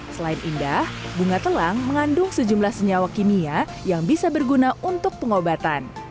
selain indah bunga telang mengandung sejumlah senyawa kimia yang bisa berguna untuk pengobatan